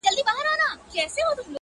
اسمان راڅخه اخلي امتحان څه به کوو؟؛